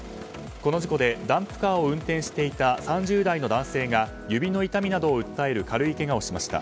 この事故で、ダンプカーを運転していた３０代の男性が指の痛みなどを訴える軽いけがをしました。